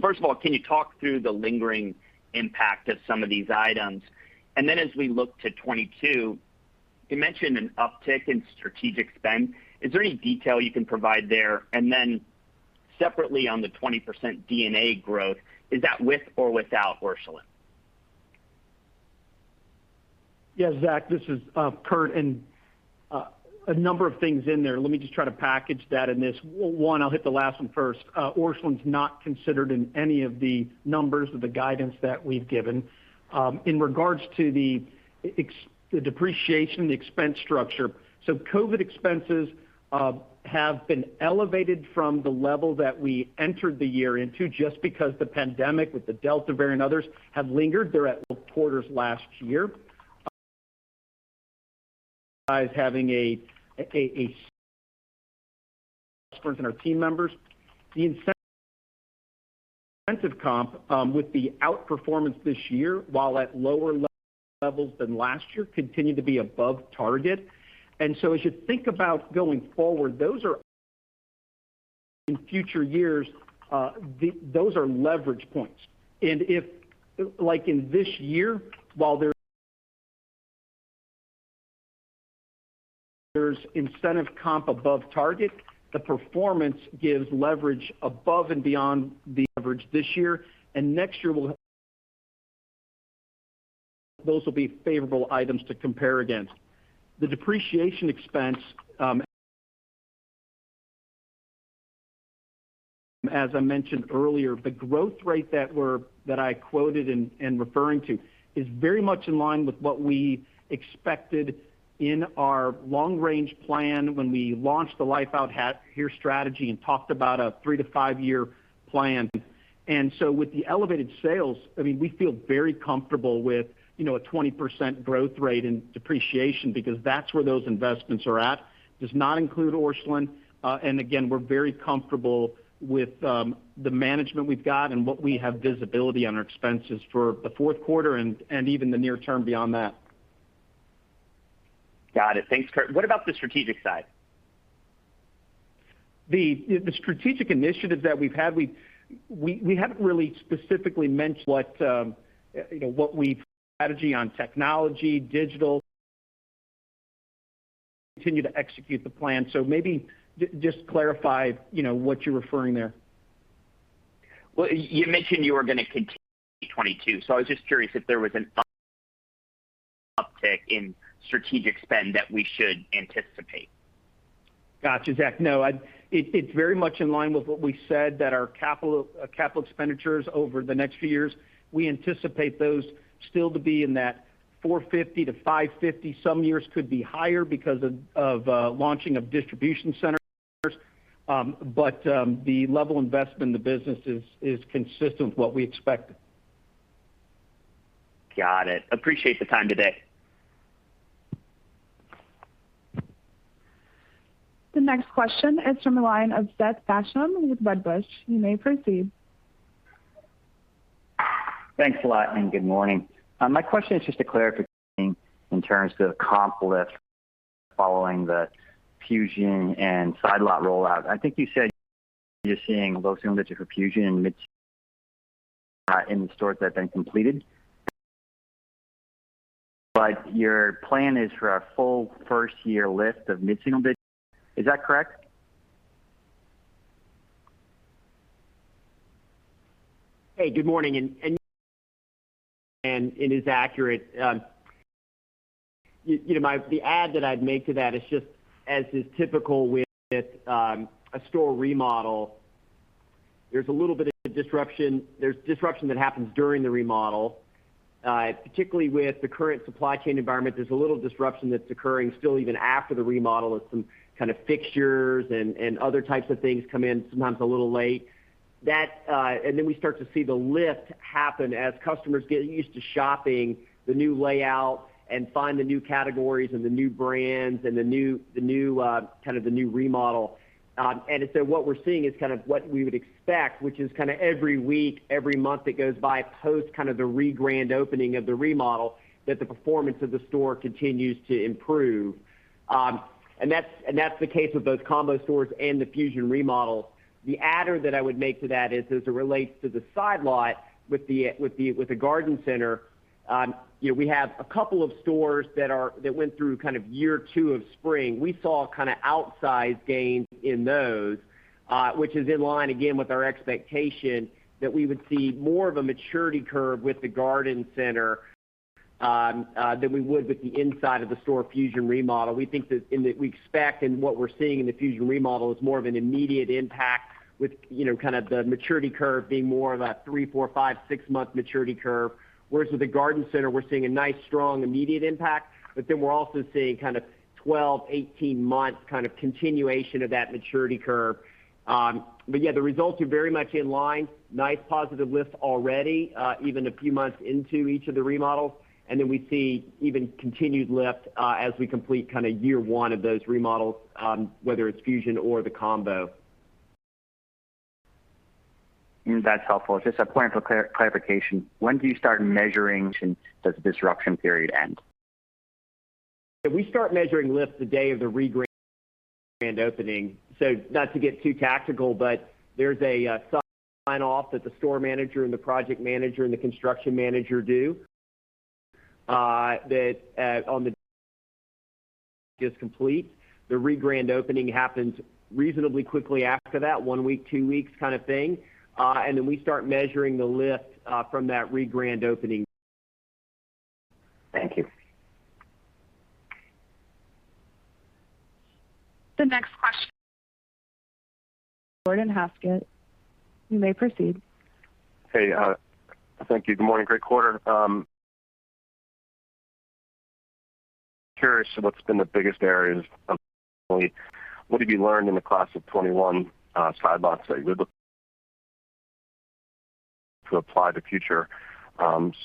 first of all, can you talk through the lingering impact of some of these items? As we look to 2022, you mentioned an uptick in strategic spend. Is there any detail you can provide there? Separately on the 20% D&A growth, is that with or without Orscheln? Yeah, Zach, this is Kurt. A number of things in there. Let me just try to package that in this. One, I'll hit the last one first. Orscheln's not considered in any of the numbers of the guidance that we've given. In regards to the depreciation, the expense structure. COVID expenses have been elevated from the level that we entered the year into, just because the pandemic with the Delta variant and others have lingered. They're at quarters last year. Having our team members. The incentive comp with the outperformance this year, while at lower levels than last year, continue to be above target. As you think about going forward, those are in future years, those are leverage points. If, like in this year, while there's incentive comp above target, the performance gives leverage above and beyond the average this year. Next year, those will be favorable items to compare against. The depreciation expense as I mentioned earlier, the growth rate that I quoted and referring to is very much in line with what we expected in our long range plan when we launched the Life Out Here strategy and talked about a three to five-year plan. With the elevated sales, we feel very comfortable with a 20% growth rate in depreciation because that's where those investments are at. Does not include Orscheln. Again, we're very comfortable with the management we've got and what we have visibility on our expenses for the fourth quarter and even the near term beyond that. Got it. Thanks, Kurt. What about the strategic side? The strategic initiatives that we've had, we haven't really specifically mentioned what we strategy on technology, digital continue to execute the plan. Maybe just clarify what you're referring there. You mentioned you were going to continue 2022, so I was just curious if there was an uptick in strategic spend that we should anticipate? Got you, Zach. No, it's very much in line with what we said that our capital expenditures over the next few years, we anticipate those still to be in that $450-$550. Some years could be higher because of launching of distribution centers. The level of investment in the business is consistent with what we expected. Got it. Appreciate the time today. The next question is from the line of Seth Basham with Wedbush. You may proceed. Thanks a lot. Good morning. My question is just a clarification in terms of comp lift following the Fusion and Side Lot rollout. I think you said you're seeing low single digits of Fusion and mid in the stores that have been completed. Your plan is for a full first year lift of mid-single digits. Is that correct? Hey, good morning. It is accurate. The add that I'd make to that is just as is typical with a store remodel, there's a little bit of disruption. There's disruption that happens during the remodel. Particularly with the current supply chain environment, there's a little disruption that's occurring still even after the remodel as some kind of fixtures and other types of things come in sometimes a little late. Then we start to see the lift happen as customers get used to shopping the new layout and find the new categories and the new brands and the new remodel. What we're seeing is kind of what we would expect, which is kind of every week, every month that goes by post the re-grand opening of the remodel, that the performance of the store continues to improve. That's the case with both combo stores and the Fusion remodels. The adder that I would make to that is as it relates to the Side Lot with the garden center, we have a couple of stores that went through kind of year two of spring. We saw kind of outsized gains in those, which is in line again with our expectation that we would see more of a maturity curve with the garden center than we would with the inside of the store Fusion remodel. We expect and what we're seeing in the Fusion remodel is more of an immediate impact with kind of the maturity curve being more of a three, four, five, six-month maturity curve. Whereas with the garden center, we're seeing a nice, strong, immediate impact. Then we're also seeing kind of 12, 18 months kind of continuation of that maturity curve. Yeah, the results are very much in line, nice positive lift already, even a few months into each of the remodels. Then we see even continued lift as we complete year one of those remodels, whether it's Fusion or the combo. That's helpful. Just a point for clarification. When do you start measuring since the disruption period ends? We start measuring lift the day of the re-grand opening. Not to get too tactical, but there's a sign-off that the store manager and the project manager and the construction manager do on the is complete. The re-grand opening happens reasonably quickly after that, one week, two weeks kind of thing. Then we start measuring the lift from that re-grand opening. Thank you. The next question, Chuck Grom from Gordon Haskett, you may proceed. Hey, thank you. Good morning. Great quarter. Curious what's been the biggest areas of what have you learned in the class of 2021 Side Lots that you would look to apply to future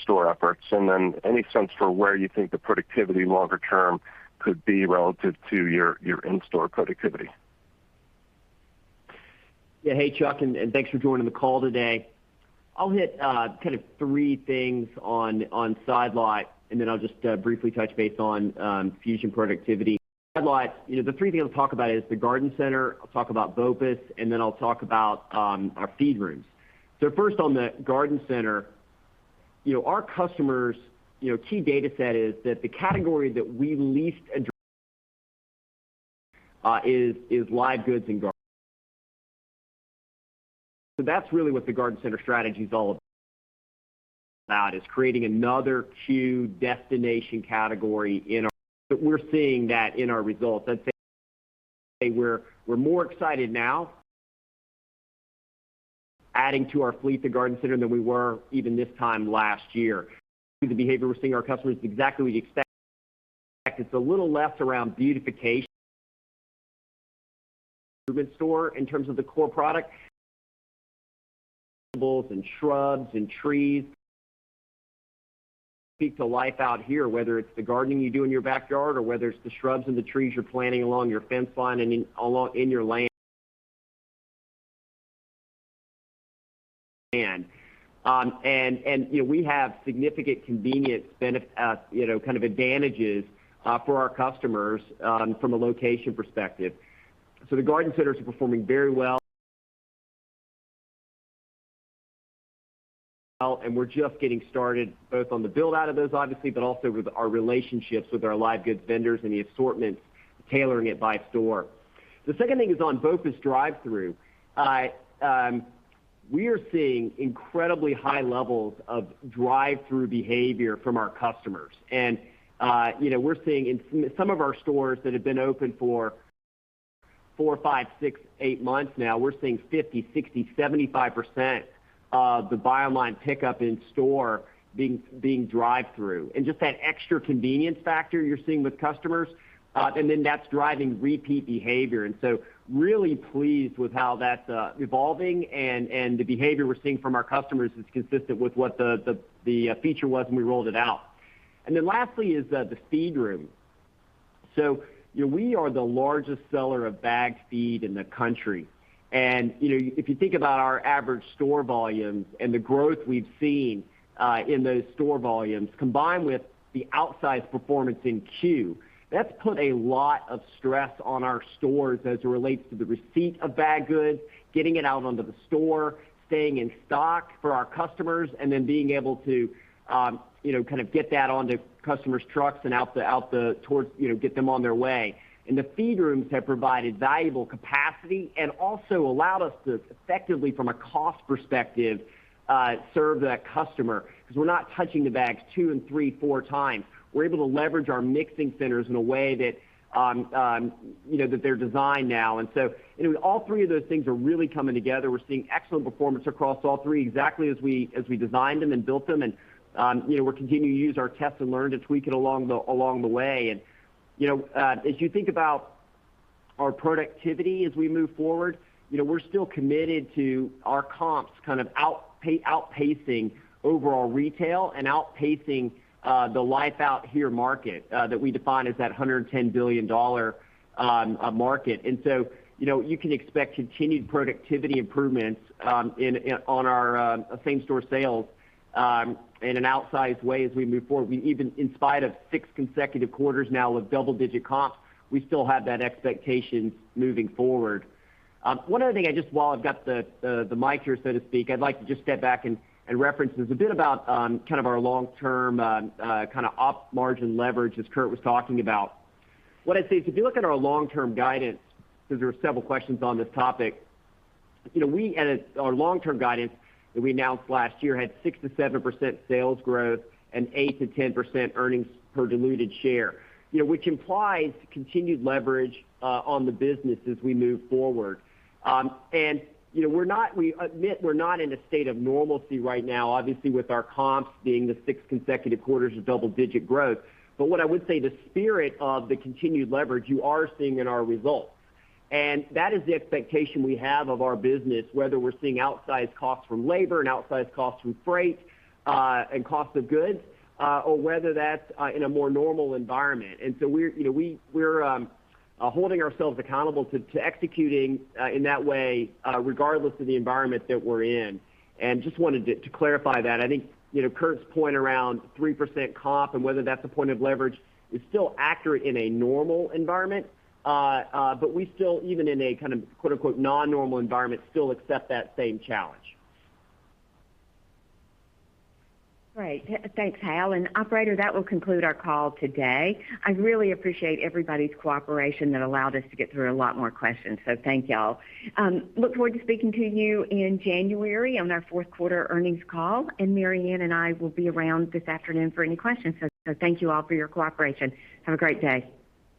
store efforts? Any sense for where you think the productivity longer term could be relative to your in-store productivity? Hey, Chuck, thanks for joining the call today. I'll hit kind of three things on Side Lot, and then I'll just briefly touch base on Fusion productivity. Side Lot, the three things I'll talk about is the Garden Center, I'll talk about BOPIS, and then I'll talk about our feed rooms. First on the Garden Center, our customers' key data set is that the category that we least address is live goods. That's really what the Garden Center strategy is all about, is creating another C.U.E. destination category in our, but we're seeing that in our results. I'd say we're more excited now adding to our fleet to Garden Center than we were even this time last year. The behavior we're seeing our customers is exactly what you'd expect. It's a little less around beautification than store in terms of the core product. Shrubs and trees speak to Life Out Here, whether it's the gardening you do in your backyard or whether it's the shrubs and the trees you're planting along your fence line and in your land. We have significant convenience kind of advantages for our customers from a location perspective. The Garden Centers are performing very well and we're just getting started both on the build-out of those, obviously, but also with our relationships with our live goods vendors and the assortments, tailoring it by store. The second thing is on BOPIS drive-through. We're seeing incredibly high levels of drive-through behavior from our customers. We're seeing in some of our stores that have been open for four, five, six, eight months now, we're seeing 50%, 60%, 75% of the Buy Online Pickup in Store being drive-through. Just that extra convenience factor you're seeing with customers, that's driving repeat behavior. Really pleased with how that's evolving and the behavior we're seeing from our customers is consistent with what the feature was when we rolled it out. Lastly is the feed room. We are the largest seller of bagged feed in the country. If you think about our average store volumes and the growth we've seen in those store volumes, combined with the outsized performance in C.U.E., that's put a lot of stress on our stores as it relates to the receipt of bagged goods, getting it out onto the store, staying in stock for our customers, being able to get that onto customers' trucks and get them on their way. The feed rooms have provided valuable capacity and also allowed us to effectively, from a cost perspective, serve that customer because we're not touching the bags two and three, four times. We're able to leverage our mixing centers in a way that they're designed now. All three of those things are really coming together. We're seeing excellent performance across all three, exactly as we designed them and built them, and we're continuing to use our test and learn to tweak it along the way. As you think about our productivity as we move forward, we're still committed to our comps kind of outpacing overall retail and outpacing the Life Out Here market that we define as that $110 billion market. You can expect continued productivity improvements on our same store sales in an outsized way as we move forward. Even in spite of six consecutive quarters now with double-digit comps, we still have that expectation moving forward. One other thing, just while I've got the mic here, so to speak, I'd like to just step back and reference, there's a bit about kind of our long-term op margin leverage, as Kurt was talking about. What I'd say is, if you look at our long-term guidance, because there are several questions on this topic, our long-term guidance that we announced last year had 6%-7% sales growth and 8%-10% earnings per diluted share, which implies continued leverage on the business as we move forward. We admit we're not in a state of normalcy right now, obviously, with our comps being the sixth consecutive quarters of double-digit growth. What I would say, the spirit of the continued leverage you are seeing in our results. That is the expectation we have of our business, whether we're seeing outsized costs from labor and outsized costs from freight and cost of goods, or whether that's in a more normal environment. We're holding ourselves accountable to executing in that way, regardless of the environment that we're in. Just wanted to clarify that. I think Kurt's point around 3% comp and whether that's a point of leverage is still accurate in a normal environment. We still, even in a kind of "non-normal environment," still accept that same challenge. Great. Thanks, Hal. Operator, that will conclude our call today. I really appreciate everybody's cooperation that allowed us to get through a lot more questions. Thank you all. Look forward to speaking to you in January on our fourth quarter earnings call, and Marianne and I will be around this afternoon for any questions. Thank you all for your cooperation. Have a great day.